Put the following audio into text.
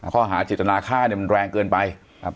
ข้อหาจิตนาค่าเนี่ยมันแรงเกินไป